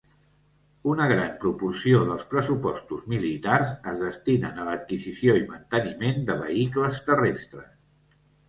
Una gran proporció dels pressupostos militars es destinen a l'adquisició i manteniment de vehicles terrestres.